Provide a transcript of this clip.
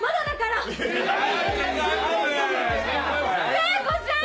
聖子ちゃん！